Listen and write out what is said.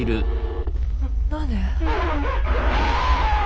何で？